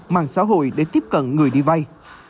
mạng xã hội để tiếp cận người đi vay